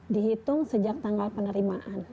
dihitung sejak tanggal penerimaan